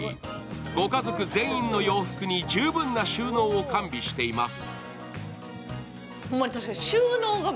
ご家族全員の洋服に十分な収納を完備しています。